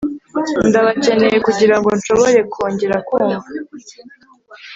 ndabakeneye kugirango nshobore kongera kumva